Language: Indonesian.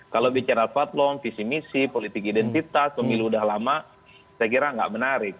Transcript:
kalau bicara fatlong visi misi politik identitas pemilih udah lama saya kira nggak menarik